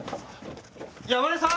山根さん！